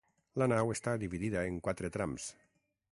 La nau està dividida en quatre trams.